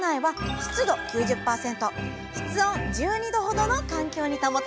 室温１２℃ほどの環境に保たれています